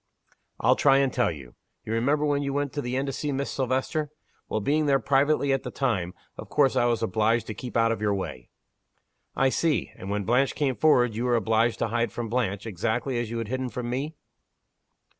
"I'll try and tell you. You remember when you went to the inn to see Miss Silvester? Well, being there privately at the time, of course I was obliged to keep out of your way." "I see! And, when Blanche came afterward, you were obliged to hide from Blanche, exactly as you had hidden from me?"